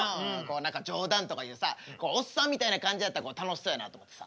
何か冗談とか言うさおっさんみたいな感じやったら楽しそうやなと思ってさ。